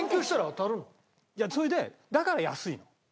いやそれでだから安いの。